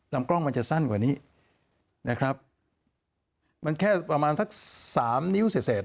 ลำกล้องมันจะสั้นกว่านี้นะครับมันแค่ประมาณสักสามนิ้วเสร็จเศษ